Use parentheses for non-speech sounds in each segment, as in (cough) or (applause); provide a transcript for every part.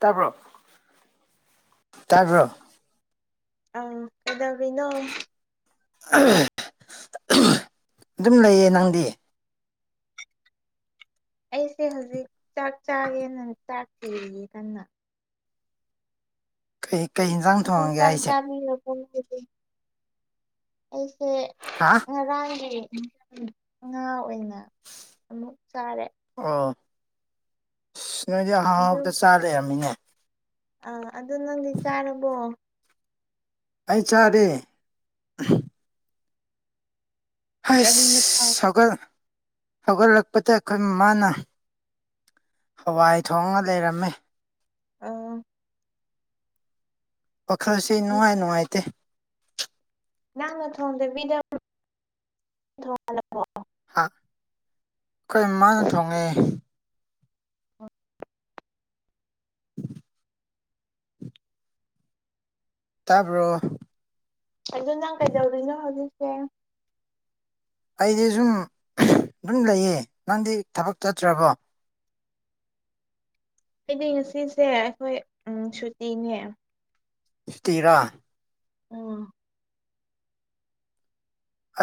ꯇꯥꯕ꯭ꯔꯣ ꯇꯥꯕ꯭ꯔꯣ ꯑꯥ ꯀꯩꯗꯧꯔꯤꯅꯣ ꯑꯗꯨꯝ ꯂꯩꯌꯦ ꯅꯪꯗꯤ ꯑꯩꯁꯦ ꯍꯧꯖꯤꯛ ꯆꯥꯛ ꯆꯥꯒꯦꯅ ꯆꯥꯛ ꯊꯤꯔꯤꯌꯦ ꯀꯟꯅ ꯀꯩ ꯀꯩ ꯌꯦꯟꯁꯥꯡ ꯊꯣꯡꯉꯒꯦ ꯍꯥꯏꯁꯦ (unintelligible) ꯑꯩꯁꯦ ꯍꯥ ꯉꯔꯥꯡꯒꯤ ꯉꯥ ꯑꯣꯏꯅ ꯑꯃꯨꯛ ꯆꯥꯔꯦ ꯑꯣ ꯑꯁ ꯅꯣꯏꯗꯤ ꯑꯍꯥꯎ ꯍꯥꯎꯕꯗ ꯆꯥ ꯂꯩꯔꯝꯃꯤꯅꯦ ꯑꯥ ꯑꯗꯨ ꯅꯪꯗꯤ ꯆꯥꯔꯕꯣ ꯑꯩ ꯆꯥꯔꯦ ꯎꯝ ꯀꯔꯤ ꯃꯊꯦꯜ ꯍꯩꯁ ꯁꯧꯒꯜ ꯍꯧꯒꯠꯂꯛꯄꯗ ꯑꯩꯈꯣꯏ ꯃꯃꯥꯅ ꯍꯋꯥꯏ ꯊꯣꯡꯉ ꯂꯩꯔꯝꯃꯦ ꯑꯥ ꯋꯥꯈꯜꯁꯦ ꯅꯨꯡꯉꯥꯏ ꯅꯨꯡꯉꯥꯏꯇꯦ ꯅꯪꯅ ꯊꯣꯡꯗꯕꯤꯗ (unintelligible) ꯍꯥ ꯑꯩꯈꯣꯏ ꯃꯃꯥꯡꯅ ꯊꯣꯡꯉꯦ ꯇꯥꯕ꯭ꯔꯣ ꯑꯗꯨ ꯅꯪ ꯀꯩꯗꯧꯔꯤꯅꯣ ꯍꯧꯖꯤꯛꯁꯦ ꯑꯩꯗꯤ ꯁꯨꯝ ꯑꯗꯨꯝ ꯂꯩꯌꯦ ꯅꯪꯗꯤ ꯊꯕꯛ ꯆꯠꯇ꯭ꯔꯕꯣ ꯑꯩꯗꯤ ꯉꯁꯤꯁꯦ ꯑꯩꯈꯣꯏ ꯎꯝ ꯁꯨꯇꯤꯅꯦ ꯁꯨꯇꯤꯔꯥ ꯎꯝ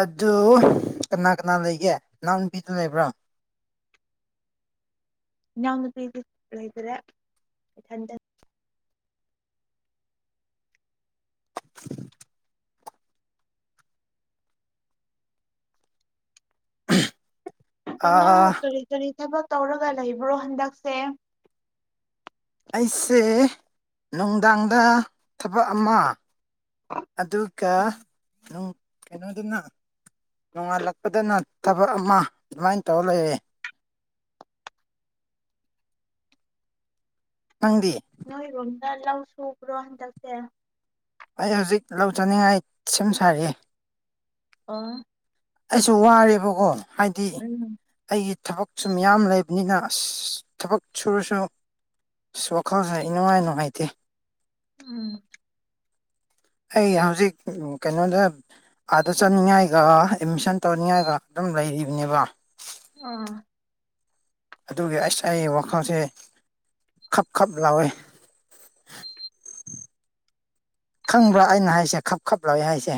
ꯑꯗꯨ ꯀꯅꯥ ꯀꯅꯥ ꯂꯩꯒꯦ ꯅꯅꯥꯎ ꯅꯨꯄꯤꯗꯨ ꯂꯩꯕ꯭ꯔ ꯏꯅꯥꯎꯅꯨꯄꯤꯗꯤ ꯂꯩꯇꯔꯦ ꯌꯟꯗꯛ (unintelligible) ꯑꯗꯨꯅꯪ ꯑꯥ ꯀꯔꯤ ꯀꯔꯤ ꯊꯥꯕꯛ ꯇꯧꯔꯒ ꯂꯩꯕ꯭ꯔꯣ ꯍꯟꯗꯛꯁꯦ ꯑꯩꯁꯦ ꯅꯨꯡꯗꯥꯡꯗꯥ ꯊꯕꯛ ꯑꯃ ꯑꯗꯨꯀꯥ ꯎꯝ ꯀꯩꯅꯣꯗꯥꯅ ꯅꯣꯡꯉꯥꯜꯂꯛꯄꯗꯅ ꯊꯕꯛ ꯑꯃ ꯑꯗꯨꯃꯥꯏꯅ ꯇꯧꯔ ꯂꯩꯌꯦ ꯅꯪꯗꯤ ꯅꯣꯏꯔꯣꯝꯗꯥ ꯂꯧ ꯁꯨꯕ꯭ꯔꯣ ꯍꯟꯗꯛꯁꯦ ꯑꯩ ꯍꯧꯖꯤꯛ ꯂꯧꯖꯥꯅꯤꯡꯉꯥꯏ ꯁꯦꯝ ꯁꯥꯔꯤ ꯑꯥ ꯑꯩꯁꯨ ꯋꯥꯔꯦꯕꯥꯀꯣ ꯍꯥꯏꯗꯤ ꯎꯝ ꯑꯩꯒꯤ ꯊꯥꯕꯛꯁꯨ ꯃꯌꯥꯝ ꯂꯩꯕꯥꯅꯤꯅ ꯑꯁ ꯊꯕꯛ ꯁꯨꯔꯥꯁꯨ ꯑꯁ ꯋꯥꯈꯜꯁꯦ ꯑꯩꯅꯨꯡꯉꯥꯏ ꯅꯨꯡꯉꯥꯏꯇꯦ ꯎꯝ ꯑꯩ ꯍꯧꯖꯤꯛ ꯀꯩꯅꯣꯗꯥ ꯑꯥꯗ ꯆꯠꯅꯤꯡꯉꯥꯏꯒ ꯑꯦꯠꯃꯤꯁꯟ ꯇꯧꯅꯤꯡꯉꯥꯏꯒ ꯑꯗꯨꯝ ꯂꯩꯔꯤꯕꯥꯅꯦꯕꯥ ꯑꯝ ꯑꯗꯨꯒꯤ ꯑꯩꯁ ꯑꯩ ꯋꯥꯈꯜꯁꯦ ꯈꯞ ꯈꯞ ꯂꯥꯎꯏ ꯈꯪꯕ꯭ꯔꯥ ꯑꯩꯅ ꯍꯥꯏꯁꯦ ꯈꯞ ꯈꯞ ꯂꯧꯋꯦ ꯍꯥꯏꯁꯦ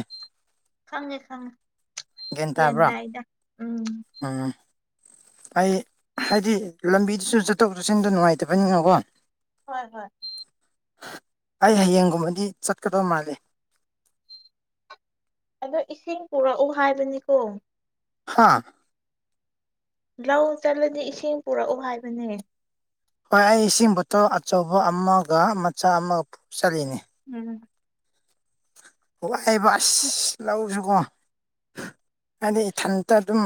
ꯈꯪꯉꯦ ꯈꯪꯉꯦ ꯒ꯭ꯌꯥꯟ ꯇꯥꯕ꯭ꯔꯣ ꯇꯥꯏꯗ ꯎꯝ ꯎꯝ ꯑꯩ ꯍꯥꯏꯗꯤ ꯂꯝꯕꯤꯗꯨꯁꯨ ꯆꯠꯊꯣꯛ ꯆꯠꯁꯤꯟꯗꯣ ꯅꯨꯡꯉꯥꯏꯇꯥꯕꯥꯅꯤꯅꯥꯀꯣ ꯍꯣꯏ ꯍꯣꯏ ꯑꯩ ꯍꯌꯦꯡꯒꯨꯝꯕꯥꯗꯤ ꯆꯠꯀꯥꯗꯧ ꯃꯥꯜꯂꯦ ꯑꯗꯣ ꯏꯁꯤꯡ ꯄꯨꯔꯛꯎ ꯍꯥꯏꯕꯥꯅꯤꯀꯣ ꯍꯥ ꯂꯧ ꯆꯠꯂꯥꯗꯤ ꯏꯁꯤꯡ ꯄꯨꯔꯛꯎ ꯍꯥꯏꯕꯥꯅꯦ ꯍꯣꯏ ꯑꯩ ꯏꯁꯤꯡ ꯕꯣꯇꯜ ꯑꯆꯧꯕ ꯑꯃꯒ ꯃꯆꯥ ꯑꯃꯒ ꯄꯨꯆꯠꯂꯤꯅꯦ ꯎꯝ (unintelligible) ꯂꯧꯁꯨꯀꯣ ꯍꯥꯏꯗꯤ ꯏꯊꯟꯇꯥ ꯑꯗꯨꯝ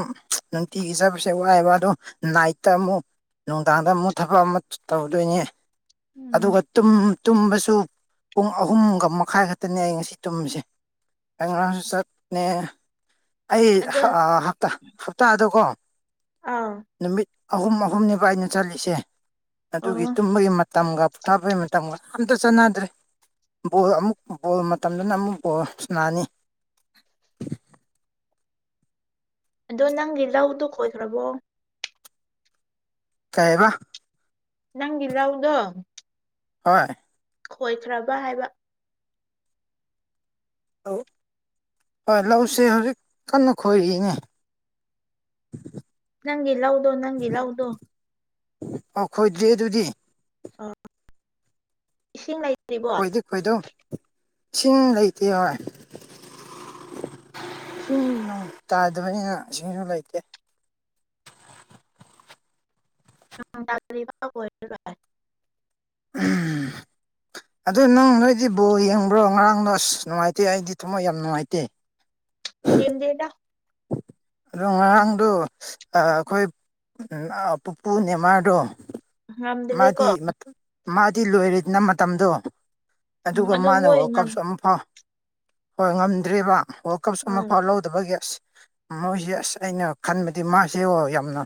ꯅꯨꯡꯇꯤꯒꯤꯖꯠꯕꯥꯁꯦ ꯋꯥꯏꯑꯦꯕꯥ ꯑꯗꯣ ꯅꯥꯏꯠꯇ ꯑꯃꯨꯛ ꯅꯨꯡꯗꯥꯡꯗ ꯑꯃꯨꯛ ꯊꯥꯕꯛ ꯑꯃ ꯇꯧꯗꯣꯏꯅꯦ ꯎꯝ ꯑꯗꯨꯒ ꯇꯨꯝ ꯇꯨꯝꯕꯁꯨ ꯄꯨꯡ ꯑꯍꯨꯝꯒꯥ ꯃꯈꯥꯏ ꯈꯛꯇꯥꯅꯤ ꯑꯩ ꯉꯥꯁꯤ ꯇꯨꯝꯃꯤꯁꯦ ꯑꯩ ꯉꯥꯔꯥꯡꯁꯨ ꯆꯠꯅꯦ ꯑꯩ ꯑꯗꯣ ꯍꯞꯇꯥꯗꯥꯀꯣ ꯑꯥ ꯅꯨꯃꯤꯠ ꯑꯍꯨꯝ ꯑꯍꯨꯝꯅꯦꯕꯥ ꯑꯩꯅ ꯆꯠꯂꯤꯁꯦ ꯑꯗꯨꯒꯤ ꯑꯣ ꯇꯨꯝꯕꯥꯒꯤ ꯃꯇꯝꯒ ꯄꯣꯊꯥꯕꯩ ꯃꯇꯝꯒꯥ ꯑꯝꯇꯥ ꯆꯥꯟꯅꯥꯗ꯭ꯔꯦ ꯕꯣꯜ ꯑꯃꯨꯛ ꯕꯣꯜ ꯃꯇꯝꯗꯥꯅ ꯑꯃꯨꯛ ꯕꯣꯜ ꯁꯥꯟꯅꯥꯅꯤ ꯑꯥꯗꯣ ꯅꯪꯒꯤ ꯂꯧꯗꯣ ꯈꯣꯏꯈ꯭ꯔꯕꯣ ꯀꯩꯑꯥꯕꯥ ꯅꯪꯒꯤ ꯂꯧꯗꯣ ꯍꯣꯏ ꯈꯣꯏꯈ꯭ꯔꯕꯥ ꯍꯥꯏꯕꯥ ꯑꯧ ꯍꯣꯏ ꯂꯧꯁꯦ ꯍꯧꯖꯤꯛ ꯀꯟꯅꯥ ꯈꯣꯏꯔꯤꯅꯦ (unintelligible) ꯅꯪꯒꯤ ꯂꯥꯎꯗꯣ ꯅꯪꯒꯤ ꯂꯥꯎꯗꯣ ꯑꯣꯈꯣꯏꯗꯤ ꯑꯗꯨꯗꯤ ꯑꯥ ꯏꯁꯤꯡ ꯂꯩꯇ꯭ꯔꯤꯕꯣ ꯍꯣꯏꯗꯧ ꯏꯁꯤꯡ ꯂꯩꯇꯦ ꯍꯣꯏ ꯅꯣꯡ ꯇꯥꯗꯕꯅꯤꯅ ꯏꯁꯤꯡꯁꯨ ꯂꯩꯇꯦ ꯅꯣꯡ ꯇꯥꯗ꯭ꯔꯤꯕ ꯑꯣꯏꯔꯒ ꯎꯝ ꯑꯗꯨ ꯅꯪ ꯅꯣꯏꯗꯤ ꯕꯣꯜ ꯌꯦꯡꯕ꯭ꯔꯣ ꯉꯔꯥꯡꯗꯣ ꯑꯁ ꯅꯨꯡꯉꯥꯏꯇꯦ ꯑꯩꯗꯤ ꯊꯝꯃꯣꯏ ꯌꯥꯝ ꯅꯨꯡꯉꯥꯏꯇꯦ (inaudible) ꯂꯦꯝꯗꯦꯗ ꯑꯗꯣ ꯉꯔꯥꯡꯗꯣ ꯑꯩꯈꯣꯏ ꯄꯨꯄꯨ ꯅꯦꯃꯥꯔꯗꯣ ꯃꯥꯗꯤ ꯉꯝꯗ꯭ꯔꯦꯀꯣ ꯃꯥꯗꯤ ꯂꯣꯏꯔꯦꯗꯅ ꯃꯇꯝꯗꯣ ꯎꯝ ꯑꯗꯨꯒ ꯑꯗꯣ ꯃꯥꯅ ꯃꯣꯏ ꯋꯥꯔꯜꯗ ꯉꯝ ꯀꯞꯁꯨ ꯑꯃ ꯐꯥꯎ ꯍꯣꯏ ꯉꯝꯗ꯭ꯔꯤꯕ ꯋꯥꯔꯜꯗ ꯀꯞꯁꯨ ꯎꯝ ꯑꯃꯐꯥꯎ ꯂꯧꯗꯕꯒꯤ ꯑꯁ ꯃꯣꯏꯁꯦ ꯑꯁ ꯑꯩꯅ ꯈꯟꯕꯗꯤ ꯃꯥꯁꯦ ꯌꯥꯝꯅ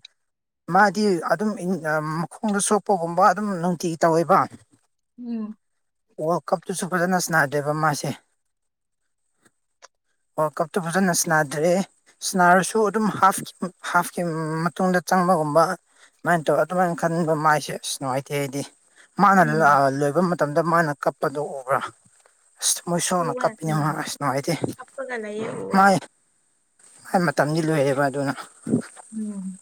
ꯃꯥꯗꯤ ꯑꯗꯨꯝ ꯃꯈꯣꯡꯗ ꯁꯣꯛꯄꯒꯨꯝꯕ ꯑꯗꯨꯝ ꯅꯨꯡꯇꯤꯒꯤ ꯇꯧꯋꯦꯕ ꯎꯝ ꯋꯥꯔꯜꯗ ꯀꯞꯇꯨꯁꯨ ꯐꯖꯟꯅ ꯁꯥꯅꯗꯦꯕ ꯃꯥꯁꯦ ꯋꯥꯔꯜꯗ ꯀꯞꯇꯣ ꯐꯖꯟꯅ ꯁꯥꯅꯗ꯭ꯔꯦ ꯁꯥꯅꯔꯁꯨ ꯑꯗꯨꯝ ꯍꯥꯜꯐꯀꯤ ꯍꯥꯜꯐꯀꯤ ꯃꯇꯨꯡꯗ ꯆꯪꯕꯒꯨꯝꯕ ꯑꯗꯨꯃꯥꯏꯅ ꯇꯧꯔ ꯑꯗꯨꯃꯥꯏꯅ ꯈꯟꯕ ꯃꯥꯏꯁꯦ ꯑꯁ ꯅꯨꯡꯉꯥꯏꯇꯦ ꯑꯩꯗꯤ ꯃꯥꯅ ꯎꯝ ꯂꯣꯏꯕ ꯃꯇꯝꯗ ꯃꯥꯅ ꯀꯞꯄꯗꯣ ꯎꯕ꯭ꯔꯥ ꯑꯁ ꯊꯃꯣꯏ ꯁꯣꯛꯅ ꯎꯋꯦ ꯀꯞꯄꯤꯅꯤ ꯎꯝ ꯃꯥ ꯑꯁ ꯅꯨꯡꯉꯥꯏꯇꯦ ꯍꯥꯞꯄꯒ ꯂꯩꯌꯦ ꯎꯋꯦ ꯃꯥꯥꯏ ꯃꯥꯏ ꯃꯇꯝꯗꯤ ꯂꯣꯏꯔꯦꯕ ꯑꯗꯨꯅ ꯎꯝ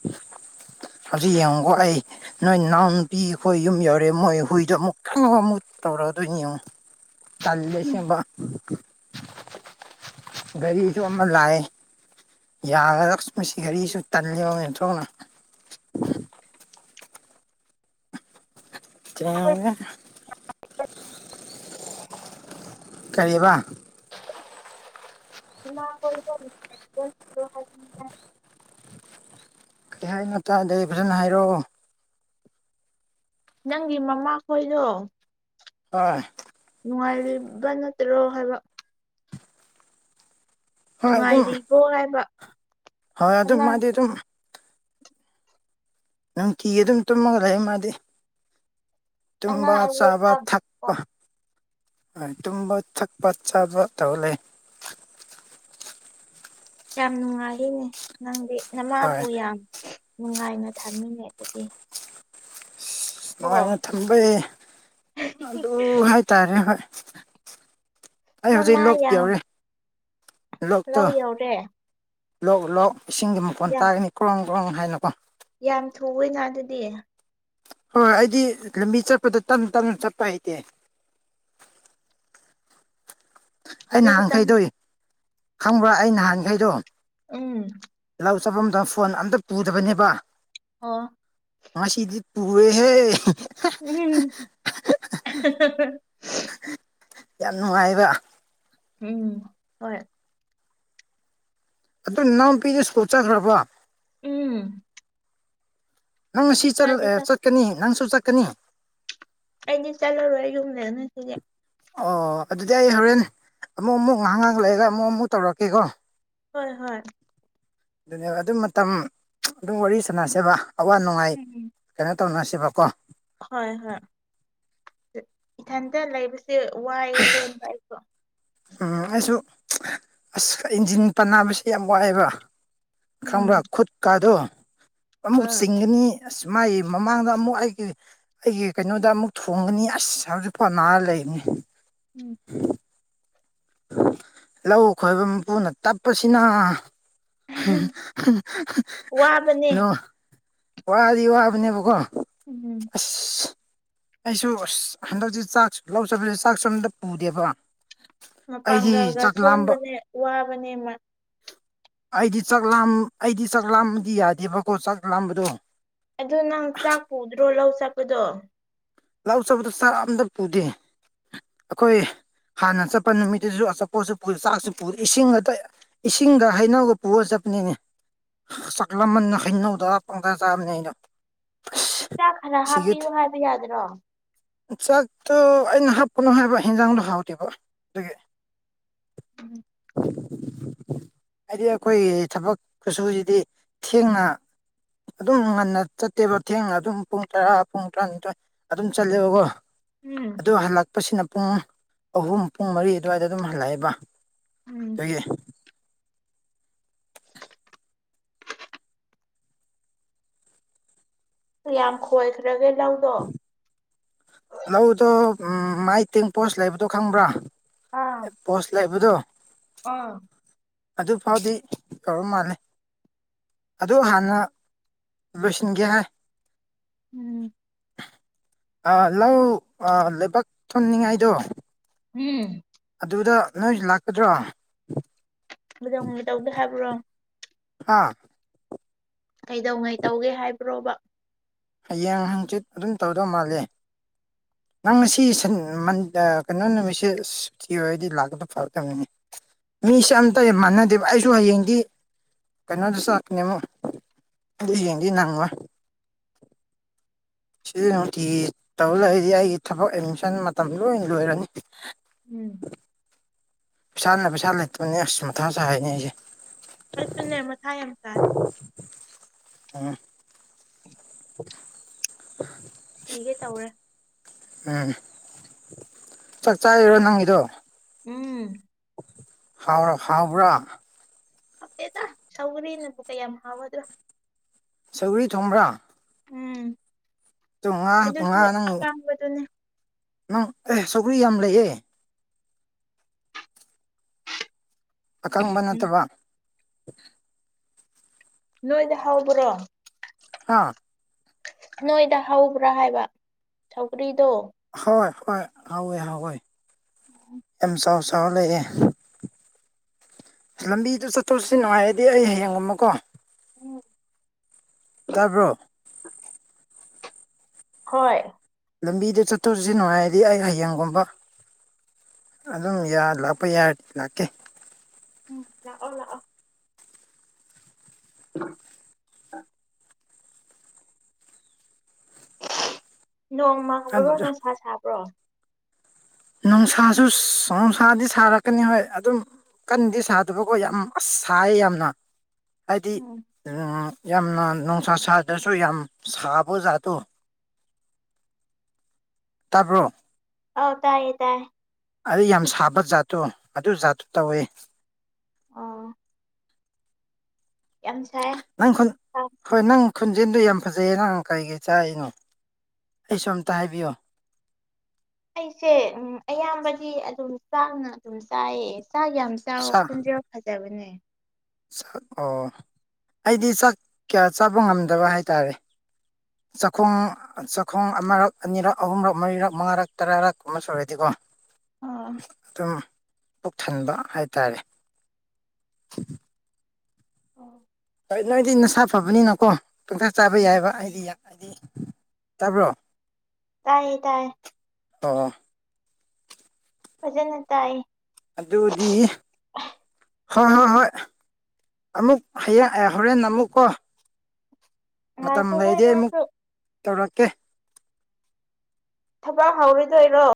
ꯍꯧꯖꯤꯛ ꯌꯦꯡꯉꯨꯀꯣ ꯑꯩ ꯅꯣꯏ ꯅꯅꯥꯎ ꯅꯨꯄꯤ ꯈꯣꯏ ꯌꯨꯝ ꯌꯧꯔꯦ ꯃꯣꯏ ꯍꯨꯏꯗꯣ ꯑꯃꯨꯛ ꯒ꯭ꯔꯡ ꯑꯃꯨꯛ ꯇꯧꯔꯛꯑꯗꯣꯏꯅꯦ ꯌꯦꯡꯉꯣ ꯇꯜꯂꯦ ꯎꯝ ꯑꯁꯦꯡꯕ ꯒꯥꯔꯤꯁꯨ ꯑꯃ ꯂꯥꯛꯑꯦ ꯌꯥꯒꯗ꯭ꯔ ꯑꯁ ꯃꯁꯤ ꯒꯥꯔꯤꯁꯨ ꯇꯜꯂꯤꯍꯦ ꯑꯣꯟꯊꯣꯛꯅ (inaudible) ꯀꯔꯤꯌꯦꯕ (inaudible) ꯀꯩ ꯍꯥꯏꯅꯣ ꯇꯥꯗꯦ ꯐꯖꯟꯅ ꯍꯥꯏꯔꯛꯑꯣ ꯅꯪꯒꯤ ꯃꯃꯥ ꯈꯣꯏꯗꯣ ꯍꯣꯏ ꯅꯨꯡꯉꯥꯏꯔꯤꯕ ꯅꯠꯇꯔꯣ ꯍꯥꯏꯕ ꯍꯣꯏ ꯑꯗꯨꯝ ꯅꯨꯡꯉꯥꯏꯔꯤꯕꯣ ꯍꯥꯏꯕ ꯍꯣꯏ ꯑꯗꯨꯝ ꯑꯅꯥ ꯃꯥꯗꯤ ꯑꯗꯨꯝ ꯅꯨꯡꯇꯤꯒꯤ ꯑꯗꯨꯝ ꯇꯨꯝꯃꯒ ꯂꯩꯌꯦ ꯃꯥꯗꯤ ꯑꯅꯥ ꯇꯨꯝꯕ ꯑꯌꯦꯛ ꯆꯥꯕ ꯌꯥꯎꯗꯦꯀꯣ ꯊꯛꯄ ꯇꯨꯝꯕ ꯊꯛꯄ ꯆꯥꯕ ꯇꯧꯔ ꯂꯩ ꯌꯥꯝ ꯅꯨꯡꯉꯥꯏꯔꯤꯅꯦ ꯅꯪꯗꯤ ꯍꯣꯏ ꯅꯃꯥꯕꯨ ꯌꯥꯝ ꯅꯨꯡꯉꯥꯏꯅ ꯊꯥꯃꯤꯅꯦ ꯑꯗꯨꯗꯤ ꯀꯣ ꯅꯨꯡꯉꯥꯏꯅ ꯊꯝꯕꯩ ꯑꯗꯨ ꯍꯥꯏ ꯇꯥꯔꯦ ꯍꯣꯏ ꯑꯩ ꯍꯧꯖꯤꯛ ꯃꯃꯥ ꯂꯣꯛ ꯌꯥꯝ ꯌꯧꯔꯦ ꯂꯣꯛꯇꯣ ꯂꯧ ꯌꯧꯔꯦ ꯂꯣꯛ ꯂꯣꯛ ꯏꯁꯤꯡꯒꯤ ꯃꯈꯣꯟ ꯌꯥꯝ ꯇꯥꯒꯅꯤ ꯀ꯭ꯔꯣꯡ ꯀ꯭ꯔꯣꯡ ꯍꯥꯏꯅꯀꯣ ꯌꯥꯝ ꯊꯨꯏꯌꯦꯅ ꯑꯗꯨꯗꯤ ꯍꯣꯏ ꯑꯩꯗꯤ ꯂꯝꯕꯤ ꯆꯠꯄꯗ ꯇꯞꯅ ꯇꯞꯅ ꯆꯠꯄ ꯍꯩꯇꯦ ꯑꯩ ꯍꯧꯖꯤꯛ ꯈꯛꯇꯪ ꯅꯍꯥꯟꯈꯩꯗꯣ ꯈꯪꯕ꯭ꯔꯥ ꯑꯩ ꯅꯍꯥꯟꯈꯩꯗꯣ ꯎꯝ ꯂꯧ ꯆꯠꯐꯝꯗ ꯐꯣꯟ ꯑꯝꯇ ꯄꯨꯗꯕꯅꯦꯕ ꯑꯣ ꯉꯁꯤꯗꯤ ꯄꯨꯔꯦ ꯍꯦ ꯎꯝ ꯑꯍꯥ ꯍꯥ ꯍꯥ ꯌꯥꯝ ꯅꯨꯡꯉꯥꯏꯕ ꯎꯝ ꯍꯣꯏ꯫ ꯑꯗꯨ ꯅꯥꯎꯄꯤꯗꯨ ꯁ꯭ꯀꯣꯜ ꯆꯠꯈ꯭ꯔꯕ꯭ꯔ? ꯎꯝ꯫ ꯅꯪ ꯉꯁꯤ ꯃꯥꯗꯤ ꯆꯜꯑꯦ ꯆꯠꯀꯅꯤ ꯅꯪꯁꯨ ꯆꯠꯀꯅꯤ꯫ ꯑꯩꯗꯤ ꯆꯠꯂꯔꯣꯏ ꯌꯨꯝ ꯂꯩꯔꯅꯤ ꯉꯁꯤꯗꯤ꯫ ꯑꯣ ꯑꯗꯨꯗꯤ ꯑꯩ ꯍꯣꯔꯦꯟ ꯑꯃꯨꯛ ꯑꯃꯨꯛ ꯉꯥꯍꯥꯛ ꯉꯍꯥꯛ ꯂꯩꯔ ꯑꯃꯨꯛ ꯑꯃꯨꯛ ꯇꯧꯔꯛꯀꯦꯀꯣ꯫ ꯍꯣꯏ ꯍꯣꯏ꯫ ꯗꯨꯅꯦꯕ ꯑꯗꯨ ꯃꯇꯝ ꯑꯗꯨ ꯋꯥꯔꯤ ꯁꯥꯅꯁꯦꯕ ꯑꯋꯥ ꯅꯨꯡꯉꯥꯏ꯫ ꯎꯝ ꯀꯩꯅꯣ ꯇꯧꯅꯁꯦꯕꯀꯣ꯫ ꯍꯣꯏ ꯍꯣꯏ ꯏꯊꯟꯇ ꯂꯩꯕꯁꯦ ꯋꯥꯏ ꯂꯦꯟꯕ ꯑꯩꯁꯨ꯫ ꯎꯝ ꯑꯩꯁꯨ ꯑꯁ ꯏꯟꯖꯤꯟ ꯄꯅꯥꯝ ꯁꯦꯝꯃꯣ ꯋꯥꯏꯕ꯫ ꯎꯝ ꯈꯪꯕ꯭ꯔꯥ ꯈꯨꯠ ꯀꯥꯗꯣ ꯑꯃꯨꯛ ꯑꯥ ꯆꯤꯡꯒꯅꯤ꯫ ꯑꯁ ꯃꯥꯏ ꯃꯃꯥꯡꯗ ꯑꯃꯨꯛ ꯑꯩꯒꯤ ꯑꯩꯒꯤ ꯀꯩꯅꯣꯗ ꯑꯃꯨꯛ ꯊꯣꯡꯒꯅꯤ ꯑꯁ ꯍꯧꯖꯤꯛꯄꯣ ꯅꯥ ꯂꯩꯅꯤ꯫ ꯎꯝ꯫ ꯂꯧ ꯈꯣꯏꯕ ꯃꯄꯨꯅ ꯇꯞꯄꯁꯤꯅ (unintelligible) ꯋꯥꯕꯅꯦ ꯅꯣ ꯋꯥꯗꯤ ꯋꯥꯕꯅꯦꯕꯀꯣ ꯎꯝꯝ꯫ ꯑꯁ ꯑꯩꯁꯨ ꯑꯁ ꯍꯟꯗꯛꯆꯦ ꯆꯥꯛ ꯂꯧꯆꯠꯄꯁꯦ ꯆꯥꯛꯁꯨ ꯑꯝꯇ ꯄꯨꯗꯦꯕ꯫ ꯑꯩꯗꯤ ꯃꯄꯥꯡꯒꯜꯒ ꯆꯥꯛ ꯂꯥꯝꯕ ꯁꯣꯟꯕꯅꯦ ꯋꯥꯕꯅꯦ ꯃꯥ ꯑꯩꯗꯤ ꯆꯥꯛ ꯂꯥꯝ ꯑꯩꯗꯤ ꯆꯥꯛ ꯂꯥꯝꯕꯗꯤ ꯌꯥꯗꯦꯕꯀꯣ ꯆꯥꯛ ꯂꯥꯝꯕꯗꯨ꯫ ꯑꯗꯨ ꯅꯪ ꯆꯥꯛ ꯄꯨꯗ꯭ꯔꯣ ꯂꯧ ꯆꯠꯄꯗꯣ? ꯂꯧ ꯆꯕꯗꯨ ꯆꯥꯛ ꯑꯝꯗ ꯄꯨꯗꯦ ꯑꯈꯣꯏ ꯍꯥꯟꯅ ꯆꯠꯄ ꯅꯨꯃꯤꯠꯇꯨꯖꯨ ꯑꯆꯥꯄꯣꯠꯖꯨ ꯄꯨ ꯆꯥꯛꯁꯨ ꯄꯨ ꯏꯁꯤꯡ ꯉꯛꯇ ꯏꯁꯤꯡꯒ ꯍꯩꯅꯧꯒ ꯄꯨꯑ ꯆꯠꯄꯅꯤꯅꯦ꯫ ꯆꯥꯛꯂꯝꯃꯟꯅ ꯍꯩꯅꯧꯗ ꯄꯪꯆꯥ ꯆꯥꯕꯅꯤ ꯑꯩꯅ ꯫ ꯆꯥꯛ ꯈꯔ ꯍꯥꯞꯄꯤꯌꯨ ꯍꯥꯏꯕ ꯌꯥꯗ꯭ꯔꯣ꯫ ꯆꯥꯛꯇꯨ ꯑꯩꯅ ꯍꯞꯄꯨꯅꯨ ꯍꯥꯢꯕ ꯍꯦꯟꯖꯥꯡꯗꯨ ꯍꯥꯎꯇꯦꯕ ꯗꯨꯒꯤ꯫ ꯍꯥꯏꯗꯤ ꯑꯩꯈꯣꯏꯒꯤ ꯊꯕꯛ ꯈꯨꯁꯨꯖꯤꯗꯤ ꯊꯦꯡꯅ꯫ ꯑꯗꯨꯝ ꯉꯟꯅ ꯆꯠꯇꯦꯕ ꯊꯦꯡꯅ ꯑꯗꯨꯝ ꯄꯨꯡ ꯇꯔꯥ ꯄꯨꯡ ꯇꯔꯥꯅꯤꯊꯣꯏ ꯑꯗꯨꯝ ꯇꯜꯂꯦꯕꯒꯣ꯫ ꯎꯝ꯫ ꯗꯨ ꯍꯜꯂꯛꯄꯁꯤꯅ ꯄꯨꯡ ꯑꯍꯨꯝ ꯄꯨꯡ ꯃꯔꯤ ꯑꯗ꯭ꯋꯥꯏꯗ ꯑꯗꯨꯝ ꯍꯜꯂꯛꯑꯦꯕ ꯎꯝ ꯗꯨꯒꯤ꯫ (inaudible) ꯀꯌꯥꯝ ꯈꯣꯏꯈ꯭ꯔꯒꯦ ꯂꯧꯗꯣ ꯂꯧꯗꯣ ꯎꯝ ꯃꯥꯏ ꯇꯦꯡꯄꯣꯁ ꯂꯩꯕꯗꯣ ꯈꯪꯕ꯭ꯔꯥ ꯑꯥ ꯄꯣꯁ ꯂꯩꯕꯗꯨ ꯑꯥ ꯑꯗꯨ ꯐꯥꯎꯗꯤ ꯇꯧꯔ ꯃꯥꯜꯂꯦ ꯑꯗꯨ ꯍꯥꯟꯅ ꯂꯣꯏꯁꯤꯟꯒꯦ ꯍꯥꯏ ꯎꯝ ꯑꯥ ꯂꯧ ꯑꯥ ꯂꯩꯕꯥꯛ ꯊꯣꯟꯅꯤꯡꯉꯥꯏꯗꯨ ꯍꯨꯝ ꯑꯗꯨꯗ ꯅꯣꯏꯖꯨ ꯂꯥꯛꯀꯗ꯭ꯔꯣ ꯕꯨꯖꯝꯒꯤ ꯇꯧꯗꯦ ꯍꯥꯏꯕ꯭ꯔꯣ ꯍꯥ ꯀꯩꯗꯧꯉꯩ ꯇꯧꯒꯦ ꯍꯥꯏꯕ꯭ꯔꯣꯕ ꯍꯌꯦꯡ ꯍꯥꯡꯆꯤꯠ ꯑꯗꯨꯝ ꯇꯧꯗꯧ ꯃꯥꯜꯂꯦ ꯅꯪ ꯉꯁꯤ ꯁꯟ ꯃꯟ ꯑꯥ ꯀꯩꯅꯣ ꯅꯨꯃꯤꯠꯁꯦ ꯁꯨꯇꯤ ꯑꯣꯏꯔꯗꯤ ꯂꯥꯛꯀꯗ ꯐꯔꯗꯕꯅꯤꯅꯦ ꯃꯤꯁꯦ ꯑꯝꯇ ꯌꯥꯝ ꯃꯥꯟꯅꯗꯦꯕ ꯑꯩꯁꯨ ꯍꯌꯦꯡꯗꯤ ꯀꯩꯅꯣꯗ ꯆꯠꯀꯅꯤ ꯑꯃꯨꯛ ꯑꯗꯨ ꯌꯦꯡꯗꯤ ꯅꯪꯉꯣꯏ ꯁꯤ ꯅꯨꯡꯇꯤꯒꯤ ꯇꯧ ꯂꯩꯗꯤ ꯑꯩꯒꯤ ꯊꯕꯛ ꯑꯦꯗꯃꯤꯁꯟ ꯃꯇꯝ ꯂꯣꯏ ꯂꯣꯏꯔꯅꯤ ꯎꯝ ꯄꯩꯁꯥꯅ ꯄꯩꯁꯥ ꯂꯩꯇꯕꯅꯦ ꯑꯁ ꯃꯊꯥ ꯁꯥꯏꯅꯦ ꯑꯩꯁꯦ ꯑꯩꯁꯨꯅꯦ ꯃꯊꯥ ꯌꯥꯝ ꯁꯥꯏ ꯑ (inaudible) ꯁꯤꯒꯦ ꯇꯧꯔꯦ ꯎꯝ ꯆꯥꯛ ꯆꯥꯏꯔꯣ ꯅꯪꯒꯤꯗꯣ ꯎꯝ ꯍꯥꯎꯔꯣ ꯍꯥꯎꯕ꯭ꯔꯣ ꯍꯥꯎꯇꯦꯗ ꯁꯧꯒꯔꯤꯅꯕꯨ ꯀꯌꯥꯝ ꯍꯥꯎꯒꯗ꯭ꯔꯣ ꯁꯧꯒ꯭ꯔꯤ ꯊꯣꯡꯕ꯭ꯔꯥ ꯎꯝ ꯇꯨ ꯉꯥ ꯉꯥ ꯑꯗꯨꯁꯨ ꯅꯪ ꯑꯀꯥꯡꯕꯗꯨꯅꯦ ꯅꯪ ꯑꯦ ꯁꯧꯒ꯭ꯔꯤ ꯌꯥꯝ ꯂꯩꯌꯦ ꯑꯀꯪꯕ ꯅꯠꯇꯕ ꯅꯣꯏꯗ ꯍꯧꯕ꯭ꯔꯣ ꯍꯥ ꯅꯣꯏꯗ ꯍꯧꯕ꯭ꯔꯥ ꯍꯥꯏꯕ ꯁꯧꯒ꯭ꯔꯤꯗꯣ ꯍꯣꯏ ꯍꯣꯏ ꯍꯧꯋꯦ ꯍꯧꯋꯦ ꯌꯥꯝ ꯆꯥꯎ ꯆꯥꯎꯔ ꯂꯩꯌꯦ ꯂꯝꯕꯤꯗ ꯆꯠꯊꯣꯛ ꯆꯠꯁꯤꯟ ꯅꯨꯡꯉꯥꯏꯔꯗꯤ ꯑꯩ ꯍꯌꯦꯡ ꯒꯨꯝꯕꯀꯣ ꯎꯝ ꯇꯥꯕ꯭ꯔꯣ ꯍꯣꯏ ꯂꯝꯕꯤꯗ ꯆꯠꯊꯣꯛ ꯆꯠꯁꯤꯟ ꯅꯨꯡꯉꯥꯏꯔꯗꯤ ꯑꯩ ꯍꯌꯦꯡꯒꯨꯝꯕ ꯑꯗꯨꯝ ꯌꯥ ꯂꯥꯛꯄ ꯌꯥꯔꯗꯤ ꯂꯥꯛꯀꯦ ꯎꯝ ꯂꯥꯛꯑꯣ ꯂꯥꯛꯑꯣ (inaudible) ꯅꯣꯡ ꯃꯥꯡꯕ꯭ꯔꯣ ꯑꯗꯨ ꯅꯨꯡꯁꯥ ꯁꯥꯕ꯭ꯔꯣ ꯅꯨꯡꯁꯥꯁꯨ ꯅꯨꯡꯁꯥꯗꯤ ꯁꯥꯔꯛꯀꯅꯤ ꯍꯣꯏ ꯑꯗꯨꯝ ꯀꯟꯗꯤ ꯁꯥꯗꯕꯀꯣ ꯌꯥꯝ ꯑꯁ ꯁꯥꯏꯌꯦ ꯌꯥꯝꯅ ꯍꯥꯏꯗꯤ ꯎꯝ ꯌꯥꯝꯅ ꯅꯨꯡꯁꯥ ꯁꯥꯗ꯭ꯔꯁꯨ ꯌꯥꯝ ꯁꯥꯕ ꯖꯥꯠꯇꯣ ꯇꯥꯕ꯭ꯔꯣ ꯑꯧ ꯇꯥꯏꯌꯦ ꯇꯥꯏ ꯑꯩ ꯌꯥꯝ ꯁꯥꯕ ꯖꯥꯠꯇꯣ ꯑꯗꯨ ꯖꯥꯠꯇꯨ ꯇꯧꯏ ꯑꯥ ꯌꯥꯝ ꯁꯥꯏ ꯅꯪ ꯈꯨꯟ ꯍꯣꯏ ꯅꯪ ꯈꯨꯟꯖꯦꯜꯗꯣ ꯌꯥꯝ ꯐꯖꯩꯌꯦ ꯅꯪ ꯀꯔꯤ ꯀꯩ ꯆꯥꯔꯤꯅꯣ ꯑꯩꯁꯨ ꯑꯝꯇ ꯍꯥꯏꯕꯤꯌꯣ ꯑꯩꯁꯦ ꯎꯝ ꯑꯌꯥꯝꯕꯗꯤ ꯑꯗꯨꯝ ꯆꯥꯛꯅ ꯑꯗꯨꯝ ꯆꯥꯏꯌꯦ ꯆꯥꯛ ꯌꯥꯝ ꯆꯥꯎꯋꯣ ꯆꯥꯛ ꯈꯣꯟꯖꯦꯜ ꯐꯖꯕꯅꯦ ꯑꯣ ꯑꯩꯗꯤ ꯆꯥꯛ ꯀꯌꯥ ꯆꯥꯕ ꯉꯝꯗꯕ ꯍꯥꯏꯇꯥꯔꯦ ꯆꯥꯛꯈꯨꯝ ꯆꯥꯛꯈꯣꯡ ꯑꯃꯔꯛ ꯑꯅꯤꯔꯛ ꯑꯍꯨꯝꯔꯛ ꯃꯔꯤꯔꯛ ꯃꯉꯥꯔꯛ ꯇꯔꯥꯔꯛ ꯃꯨꯛ ꯁꯨꯔꯗꯤꯀꯣ ꯑꯥ ꯑꯗꯨꯝ ꯄꯨꯛ ꯊꯟꯕ ꯍꯥꯏꯇꯥꯔꯦ (inaudible) ꯍꯣꯏ ꯅꯣꯏꯗꯤ ꯅꯁꯥ ꯐꯕꯅꯤꯅꯀꯣ ꯄꯪꯆꯥ ꯆꯥꯕ ꯌꯥꯏꯕ ꯑꯩꯗꯤ ꯍꯥꯏꯗꯤ ꯇꯥꯕ꯭ꯔꯣ ꯇꯥꯏꯌꯦ ꯇꯥꯏ ꯑꯣ ꯐꯖꯟꯅ ꯇꯥꯏ ꯑꯗꯨꯗꯤ ꯍꯣꯏ ꯍꯣꯏ ꯍꯣꯏ ꯑꯃꯨꯛ ꯍꯌꯦꯡ ꯑ ꯍꯣꯔꯦꯟ ꯑꯃꯨꯛꯀꯣ ꯃꯇꯝ ꯉꯥꯏꯈꯣꯍꯦ ꯂꯩꯗꯤ ꯑꯃꯨꯛ ꯅꯪꯁꯨ ꯇꯧꯔꯀꯦ ꯊꯕꯛ ꯍꯧꯔꯣꯏꯗꯣꯏꯔꯣ